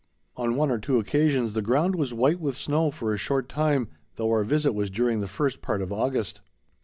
On one or two occasions the ground was white with snow for a short time, though our visit was during the first part of August.